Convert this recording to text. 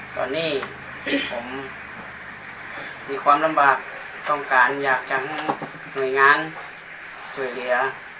ตอนนี้ผมมีความลำบากต้องการอยากจะให้หน่วยงานช่วยเหลือ